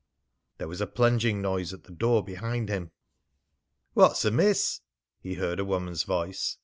There was a plunging noise at the door behind him. "What's amiss?" he heard a woman's voice.